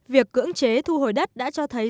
việc cưỡng chế thu hồi đất đã cho thấy